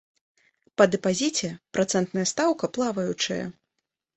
Па дэпазіце працэнтная стаўка плаваючая.